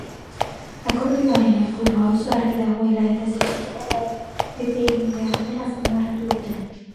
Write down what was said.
Akordioaren helburua oso argi dagoela eta sinatutakoa bete egin behar dela azpimarratu dute.